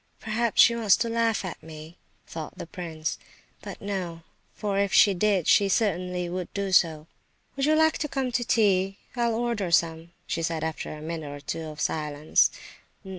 "Perhaps she wants to laugh at me," thought the prince, "but no; for if she did she certainly would do so." "Would you like some tea? I'll order some," she said, after a minute or two of silence.